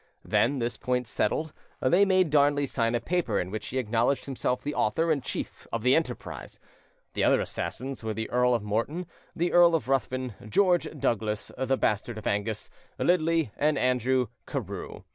Then, this point settled, they made Darnley sign a paper in which he acknowledged himself the author and chief of the enterprise. The other assassins were the Earl of Morton, the Earl of Ruthven, George Douglas the bastard of Angus, Lindley, and Andrew, Carew.